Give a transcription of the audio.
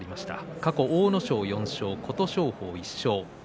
過去阿武咲４勝、琴勝峰２勝です。